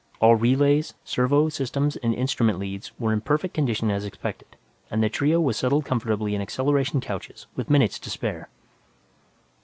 All relays, servo systems and instrument leads were in perfect condition as expected, and the trio was settled comfortably in acceleration couches with minutes to spare.